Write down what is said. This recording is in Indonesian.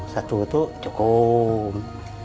satu itu cukup